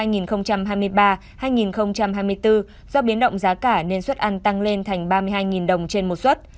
năm học hai nghìn hai mươi ba hai nghìn hai mươi bốn do biến động giá cả nên xuất ăn tăng lên thành ba mươi hai đồng trên một xuất